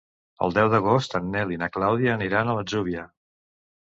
El deu d'agost en Nel i na Clàudia aniran a l'Atzúbia.